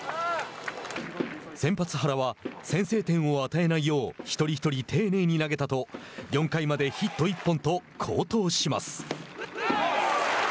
先発、原は「先制点を与えないよう一人一人、丁寧に投げた」と４回までヒット１本と好投します。